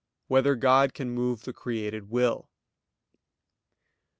4] Whether God Can Move the Created Will?